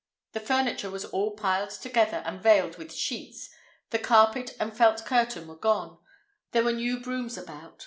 The furniture was all piled together and veiled with sheets, the carpet and felt curtain were gone, there were new brooms about.